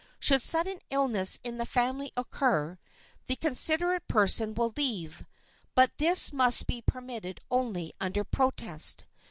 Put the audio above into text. Should sudden illness in the family occur, the considerate person will leave. But this must be permitted only under protest.